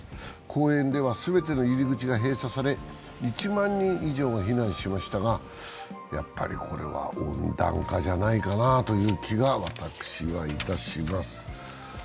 公園では全ての入り口が閉鎖され、１万人以上が避難しましたがやっぱりこれは温暖化じゃないかなという気が私はいたします。